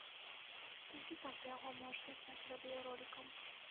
Толькі там ты яго можаш дастаць радыёролікам.